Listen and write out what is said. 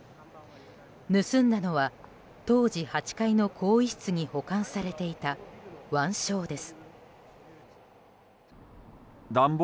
盗んだのは、当時８階の更衣室に保管されていた腕章です。